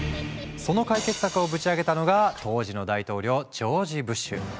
その解決策をぶち上げたのが当時の大統領ジョージ・ブッシュ。